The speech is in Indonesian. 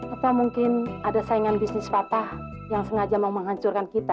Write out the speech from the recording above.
apa mungkin ada saingan bisnis patah yang sengaja mau menghancurkan kita